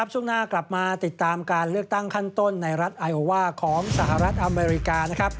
ช่วงหน้ากลับมาติดตามการเลือกตั้งขั้นต้นในรัฐไอโอว่าของสหรัฐอเมริกานะครับ